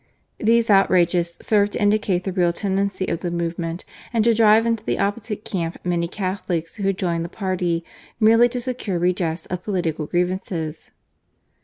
These outrages served to indicate the real tendency of the movement, and to drive into the opposite camp many Catholics who had joined the party merely to secure redress of political grievances.